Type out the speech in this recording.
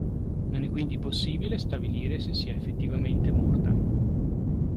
Non è quindi possibile stabilire se sia effettivamente morta.